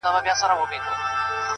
په دربار کي مي تر تا نسته ښاغلی٫